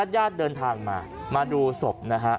ญาติเดินทางมามาดูศพนะฮะ